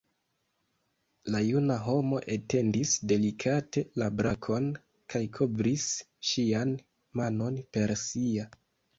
La juna homo etendis delikate la brakon kaj kovris ŝian manon per sia.